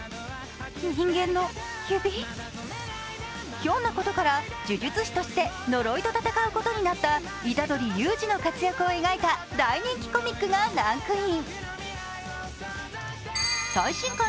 ひょんなことから呪術師として呪いと戦うことになった虎杖悠仁の活躍を描いた大人気コミックがランクイン。